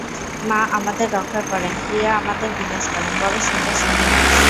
মা আমাদের রক্ষা করেন, প্রিয়া আমাদের বিনাশ করেন– বড়ো সুন্দর সেই বিনাশ।